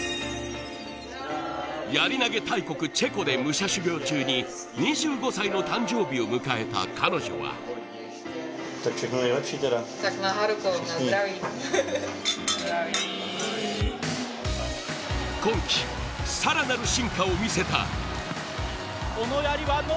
やり投げ大国・チェコで武者修行中に２５歳の誕生日を迎えた彼女は今季、更なる進化を見せた。